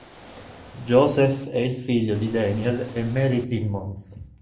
Joseph è il figlio di Daniel e Mary Simmons.